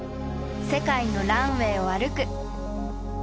世界のランウェイを歩く。